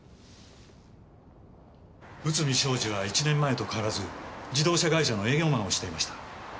内海将司は１年前と変わらず自動車会社の営業マンをしていました。